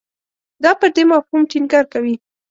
دا پر دې مفهوم ټینګار کوي.